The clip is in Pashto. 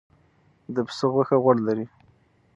د پسه غوښه غوړ لري.